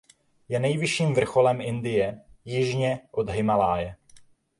Je nejvyšším vrcholem Indie jižně od Himálaje.